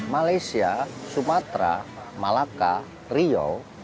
malaysia sumatera malaka rio